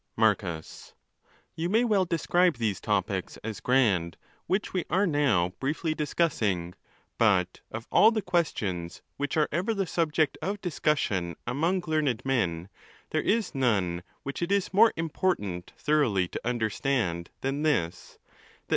Marcus.—You may well describe these topics as grand, which we are now briefly discussing. But.of all the questions which are ever the subject of discussion among learned men, there is none which it is more important thoroughly to understand than this, that.